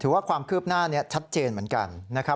ว่าความคืบหน้าชัดเจนเหมือนกันนะครับ